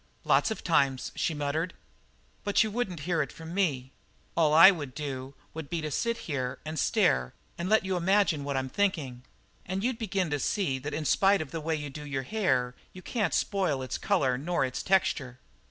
"Lots of times," she muttered. "But you wouldn't hear it from me. All I would do would be to sit and stare and let you imagine what I'm thinking. And you'd begin to see that in spite of the way you do your hair you can't spoil its colour nor its texture."